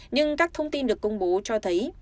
nhưng các thông tin được công bố cho thấy